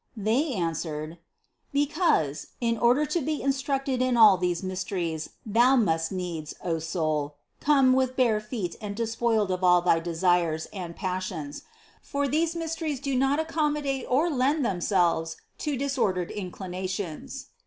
They answered : "Because, in order to be instructed in all these mysteries, thou must needs, O soul, come with bare feet and despoiled of all thy desires and passions; for these mysteries do not accommodate or lend themselves to dis ordered inclinations.